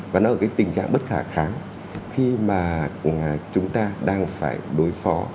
và nó ở cái tình trạng bất khả kháng khi mà chúng ta đang phải đối phó